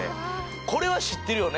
これは知ってるよね？